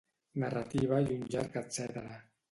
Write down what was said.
Narrativa i un llarg etcètera.